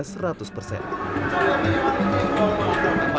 kapasitas sesuai dengan sma nagri juga sama